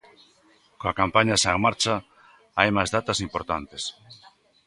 Coa campaña xa en marcha, hai máis datas importantes.